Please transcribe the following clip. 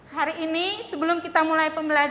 hari ini sebelum kita mulai pembelajaran